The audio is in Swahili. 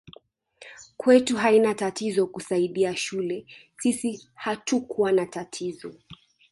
Kwetu haina tatizo kusaidia shule sisi hatukua na tatizo